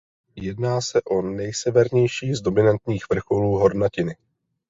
Jedná se o nejsevernější z dominantních vrcholů hornatiny.